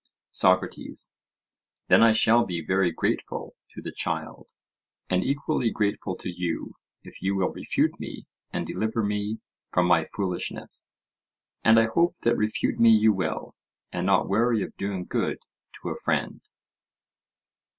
SOCRATES: Then I shall be very grateful to the child, and equally grateful to you if you will refute me and deliver me from my foolishness. And I hope that refute me you will, and not weary of doing good to a friend.